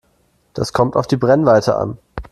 Das kommt auf die Brennweite an.